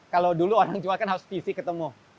kalau dulu orang jual kan harus pc ketemu